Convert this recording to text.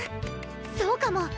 そうかも。